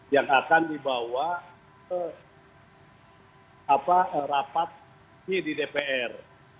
yang akan dibawa ke rapat ini di dpr